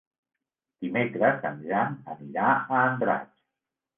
Dimecres en Jan anirà a Andratx.